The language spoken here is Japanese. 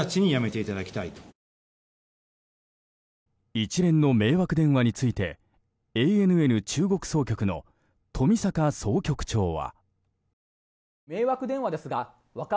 一連の迷惑電話についてＡＮＮ中国総局の冨坂総局長は。